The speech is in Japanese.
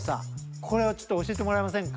これをちょっと教えてもらえませんか？